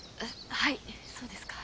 はいそうですか。